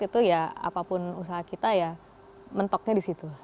itu ya apapun usaha kita ya mentoknya di situ